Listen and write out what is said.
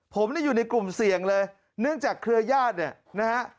ผมเนี่ยอยู่ในกลุ่มเสี่ยงเลยเนื่องจากเครือญาติเนี่ยนะฮะ